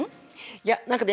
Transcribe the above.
いや何かね